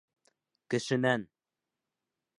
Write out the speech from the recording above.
Кешенән!